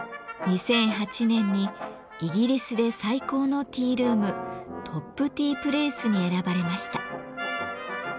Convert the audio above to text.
２００８年にイギリスで最高のティールームトップ・ティープレイスに選ばれました。